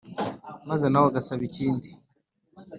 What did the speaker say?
maze nawe ugasaba ikindi"